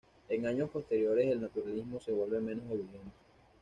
En años posteriores, el naturalismo se vuelve menos evidente.